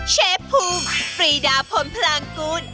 เชฟภูมิฟรีดาพนธ์พลังกุล